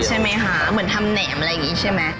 ใช่ไหมคะเหมือนทำแหนมอะไรอย่างนี้ใช่ไหม